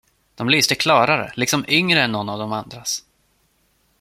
De lyste klarare, liksom yngre än någon av de andras.